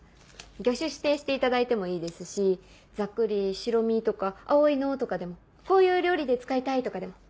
魚種指定していただいてもいいですしざっくり白身とか青いのとかでもこういう料理で使いたいとかでも。